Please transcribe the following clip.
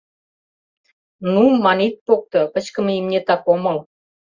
— «Ну!» ман ит покто, кычкыме имнетак омыл!